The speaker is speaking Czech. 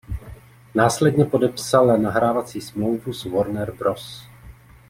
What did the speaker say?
Následně podepsala nahrávací smlouvu s Warner Bros.